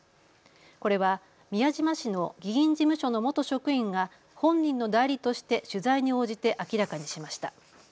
これは宮島氏の議員事務所の元職員が本人の代理として取材に応じて明らかにしました。